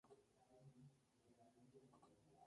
La recepción crítica fue mixta.